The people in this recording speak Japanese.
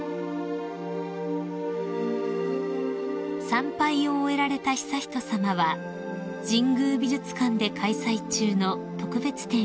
［参拝を終えられた悠仁さまは神宮美術館で開催中の特別展へ］